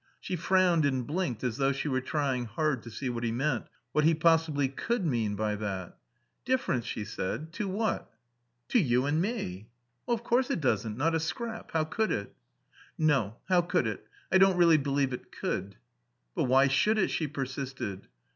She frowned and blinked, as though she were trying hard to see what he meant, what he possibly could mean by that. "Difference?" she said. "To what?" "To you and me." "Of course it doesn't. Not a scrap. How could it?" "No. How could it? I don't really believe it could." "But why should it?" she persisted.